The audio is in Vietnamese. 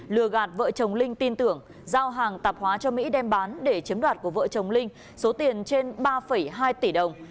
lừa gạt vợ chồng linh tin tưởng giao hàng tạp hóa cho mỹ đem bán để chiếm đoạt của vợ chồng linh số tiền trên ba hai tỷ đồng